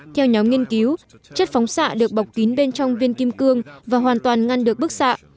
theo nhóm nghiên cứu chất phóng xạ được bọc kín bên trong viên kim cương và hoàn toàn ngăn được bức xạ